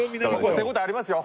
手応えありますよ